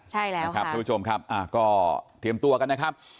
ใช่แล้วนะครับทุกผู้ชมครับก็เตรียมตัวกันนะครับ